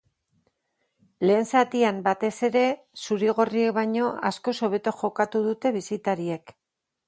Lehen zatian, batez ere, zuri-gorriek baino askoz hobeto jokatu dute bisitariek.